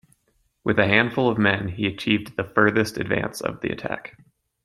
With a handful of men, he achieved the furthest advance of the attack.